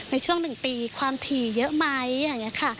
ในช่วง๑ปีความถี่เยอะไหม